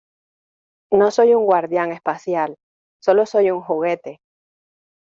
No soy un guardián espacial. Sólo soy un juguete .